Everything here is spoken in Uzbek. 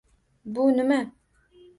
Bu nima?